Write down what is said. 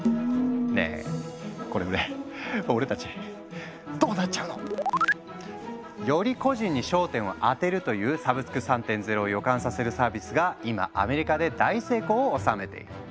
ねえこれで俺たちどうなっちゃうの？より個人に焦点を当てるというサブスク３．０を予感させるサービスが今アメリカで大成功を収めている。